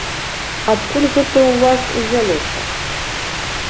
Адкуль гэта ў вас узялося?